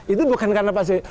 itu bukan karena pak jokowi